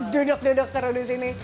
duduk duduk seru disini